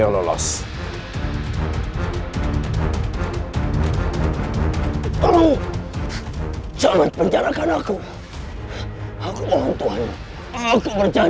gurung amuk baru gul di penjaran